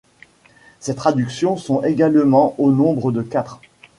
Ces traductions sont également au nombre de quatre.